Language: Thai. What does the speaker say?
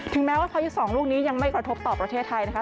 แม้ว่าพายุสองลูกนี้ยังไม่กระทบต่อประเทศไทยนะคะ